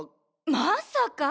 まさか！